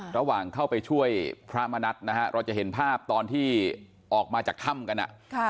ระหว่างเข้าไปช่วยพระมณัฐนะฮะเราจะเห็นภาพตอนที่ออกมาจากถ้ำกัน